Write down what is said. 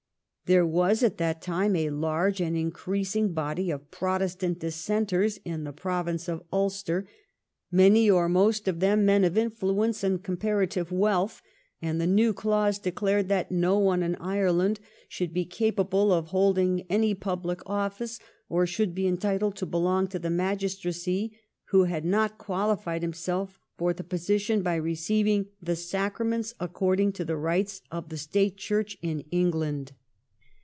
There was at that time a large and increasing body of Protestant dissenters in the province of Ulster, many or most of them men of influence and comparative wealth, and the new clause declared that no one in Ireland should be capable of holding any public office or should be entitled to belong to the magistracy who had not qualified himself for the position by receiving the Sacraments accord ing to the rites of the State Church in England.